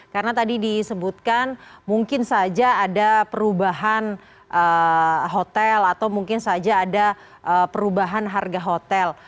karena tadi disebutkan mungkin saja ada perubahan hotel atau mungkin saja ada perubahan harga hotel